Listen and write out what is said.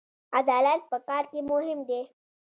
عدالت په کار کې مهم دی